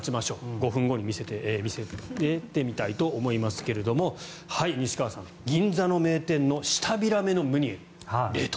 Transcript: ５分後に見せてみたいと思いますが西川さん、銀座の名店のシタビラメのムニエル、冷凍。